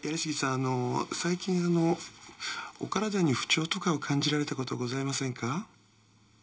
あの最近あのお体に不調とかを感じられたことございませんか？